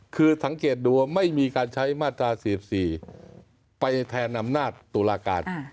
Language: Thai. คือสังเกตดูว่าไม่มีการใช้มาตรา๔๔ไปแทนอำนาจตุลาการ